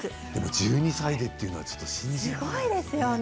１２歳でというのはちょっと信じられないですよね。